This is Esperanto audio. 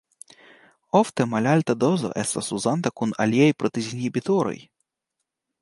Ofte malalta dozo estas uzata kun aliaj proteazinhibitoroj.